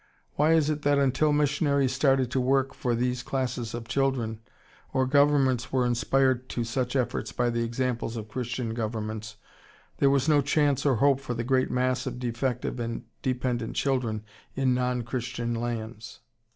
Why is it that until missionaries started to work for these classes of children, or governments were inspired to such efforts by the examples of Christian governments, there was no chance or hope for the great mass of defective and dependent children in non Christian lands?